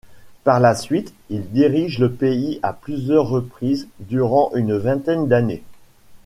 Par la suite, il dirige le pays à plusieurs reprises durant une vingtaine d'années.